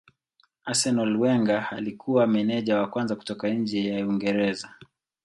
Arsenal Wenger alikuwa meneja wa kwanza kutoka nje ya Uingereza.